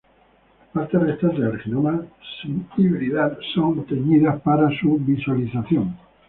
Las partes restantes del genoma sin hibridar son teñidas para su visualización.